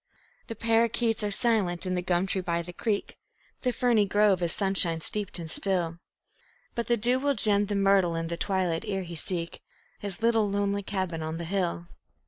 The parrakeets are silent in the gum tree by the creek; The ferny grove is sunshine steeped and still; But the dew will gem the myrtle in the twilight ere he seek His little lonely cabin on the hill.